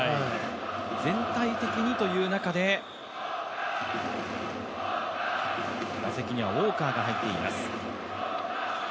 全体的にという中で、打席にはウォーカーが入っています。